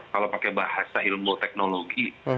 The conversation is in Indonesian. kalau pakai bahasa ilmu teknologi